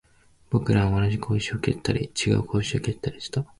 僕らは同じ小石を蹴ったり、違う小石を蹴ったりした